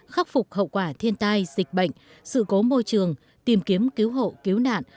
khắc phục hậu quả thiên tai dịch bệnh sự cố môi trường tìm kiếm cứu hộ cứu nạn